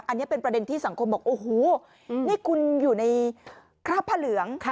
อันนี้เป็นประเด็นที่สังคมบอกโอ้โหนี่คุณอยู่ในคราบผ้าเหลือง